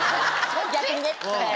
逆にね。